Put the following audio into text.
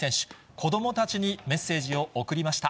子どもたちにメッセージを送りました。